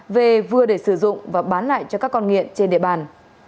về vừa để sử dụng và bán lại cho các con nghiện trên địa bàn